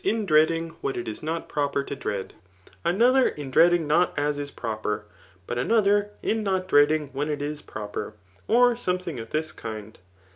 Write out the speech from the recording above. one coft»8t» in dreoidiDg what it is not pfrq>er to dread, another, in dreading not as is proper, but another, in not dreading when it is proper, or something of this kind.